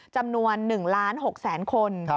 จำนวน๑๖๐๐๐๐๐คน